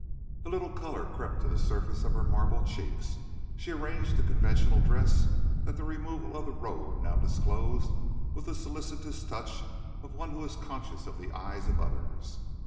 A little colour crept to the surface of her marble cheek. She arranged the conventional dress that the removal of the robe now disclosed with the solicitous touch of one who is conscious of the eyes of others.